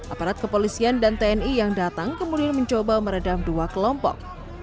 aparat kepolisian dan tni yang datang kemudian mencoba meredam dua kelompok